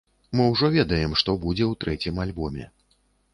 Мы ўжо ведаем, што будзе ў трэцім альбоме.